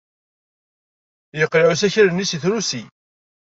Yeqleɛ usakal-nni seg trusi.